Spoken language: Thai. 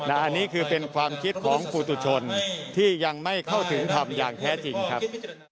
อันนี้คือเป็นความคิดของครูตุชนที่ยังไม่เข้าถึงธรรมอย่างแท้จริงครับ